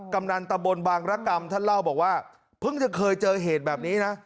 กำนันตะบนบางรกรรมท่านเล่าบอกว่าเพิ่งจะเคยเจอเหตุแบบนี้นะ